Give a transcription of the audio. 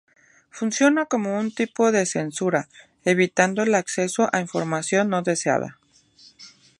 Funciona como un tipo de censura, evitando el acceso a información no deseada.